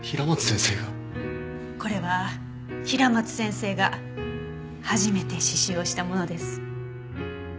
これは平松先生が初めて刺繍をしたものです。